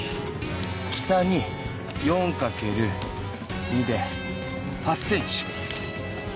北に４かける２で８ｃｍ。